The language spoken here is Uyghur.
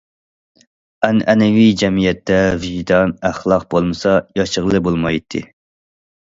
ئەنئەنىۋى جەمئىيەتتە ۋىجدان، ئەخلاق بولمىسا، ياشىغىلى بولمايتتى.